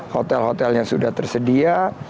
hotel hotel yang sudah tersedia